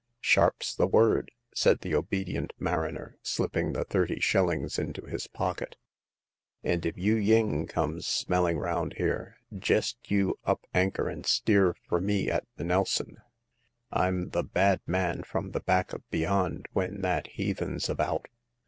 " "Sharp's the word," said the obedient mariner, slipping the thirty shillings into his pocket ; and if Yu ying comes smelling round here, jest you up anchor and steer fur me at the Nelson, i'm the bad man from the back of beyond when that heathen's about